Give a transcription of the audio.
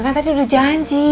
kan tadi udah janji